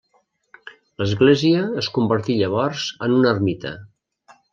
L'església es convertí llavors en una ermita.